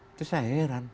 itu saya heran